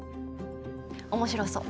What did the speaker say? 面白そう。